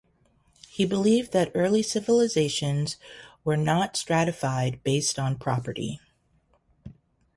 He believed that early civilizations were not stratified based on property.